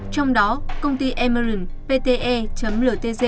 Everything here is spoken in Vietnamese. trong đó công ty emerald pte ltg